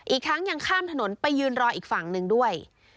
อีกทั้งยังข้ามถนนไปยืนรออีกฝั่งหนึ่งด้วย